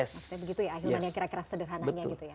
maksudnya begitu ya ahilman yang kira kira sederhananya gitu ya